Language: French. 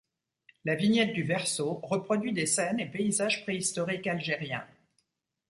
La vignette du verso reproduit des scènes et paysages préhistoriques algériens.